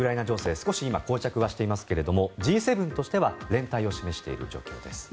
少しこう着はしていますがＧ７としては連帯を示している状況です。